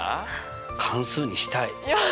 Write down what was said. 関数にしたい。